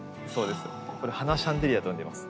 「花シャンデリア」と呼んでいます。